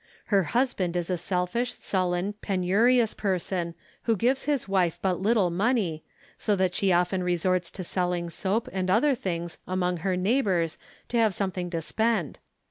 Her husband is a selfish, sullen, penurious person who gives his wife but little money, so that she often resorts to selling soap and other things among her neighbors to have something to spend.